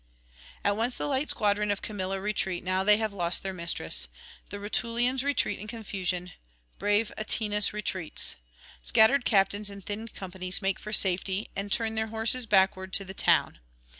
[868 901]At once the light squadron of Camilla retreat now they have lost their mistress; the Rutulians retreat in confusion, brave Atinas retreats. Scattered captains and thinned companies make for safety, and turn their horses backward to the town.